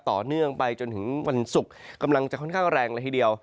ต่อเนื่องไปจนถึงวันศุกร์กำลังจะค่อนข้างแรงเลยทีเดียว